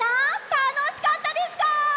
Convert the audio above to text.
たのしかったですか？